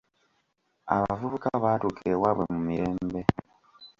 Abavubuka baatuuka ewaabwe mu mirembe.